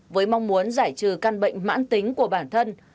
với mong muốn giải trừ căn bệnh mãn tính của bản thân